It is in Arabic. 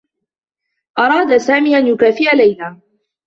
أراد سامي أن يكافئ ليلى.